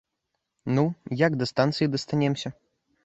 Ну, як да станцыі дастанемся?